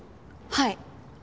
はい。